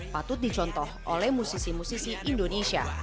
patut dicontoh oleh musisi musisi indonesia